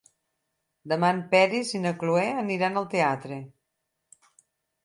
Demà en Peris i na Cloè aniran al teatre.